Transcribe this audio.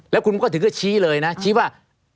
แล้วคุณก็ถึงก็ชี้เลยนะชี้ว่า